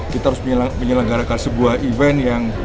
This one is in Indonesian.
kita harus menyelenggarakan sebuah event yang